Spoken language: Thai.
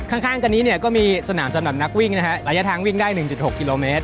ข้างกันนี้เนี่ยก็มีสนามสำหรับนักวิ่งนะฮะระยะทางวิ่งได้๑๖กิโลเมตร